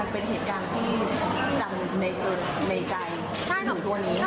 มันเป็นเหตุการณ์ที่จำในใจอยู่ตัวนี้